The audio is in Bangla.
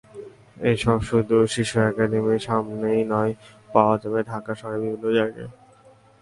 এসব শুধু শিশু একাডেমীর সামনেই নয়, পাওয়া যায় ঢাকা শহরের নানা জায়গায়।